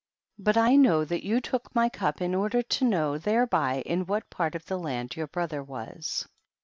but 1 know that you took my cup in order to know thereby in what part of the land your brother was.